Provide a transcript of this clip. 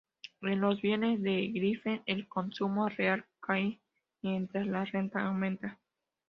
En los bienes de giffen el consumo real cae mientras la renta aumenta.